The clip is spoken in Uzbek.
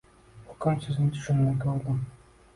U kun sizni tushimda ko’rdim.